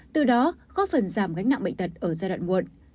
từ đó góp phần giảm gánh nặng bệnh tật ở giai đoạn muộn